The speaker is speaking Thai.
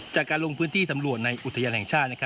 จากการลงพื้นที่สำรวจในอุทยานแห่งชาติ